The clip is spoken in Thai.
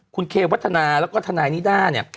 คุณเควัฒนาแล้วก็ทนายนิด้าเนี่ย